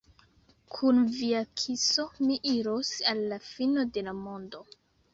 Kun via kiso mi iros al la fino de la mondo!